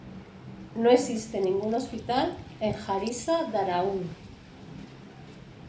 No existe ningún hospital en Harissa-Daraaoun.